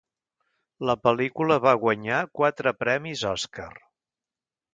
La pel·lícula va guanyar quatre Premis Oscar.